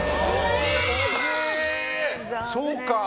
そうか。